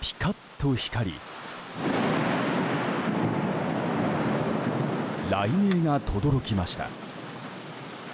ピカッと光り雷鳴がとどろきました。